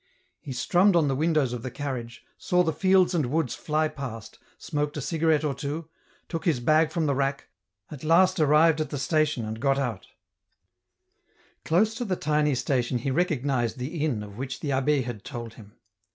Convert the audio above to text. He strummed on the windows of the carriage, saw the fields and woods fly past, smoked a cigarette or two, took his bag from the rack, at last arrived at the station and got out. EN ROUTE. 151 Close to the tiny station he recognized the inn of which the abb6 had told him.